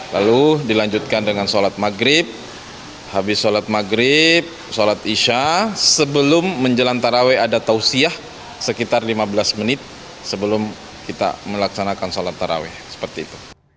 lalu dilanjutkan dengan salat maghrib habis salat maghrib salat isya sebelum menjelang tarawih ada tausiyah sekitar lima belas menit sebelum kita melaksanakan salat tarawih